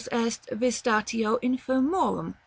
" Visitatio infirmorum.